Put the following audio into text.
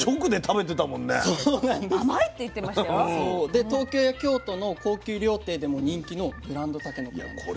で東京や京都の高級料亭でも人気のブランドたけのこなんですね。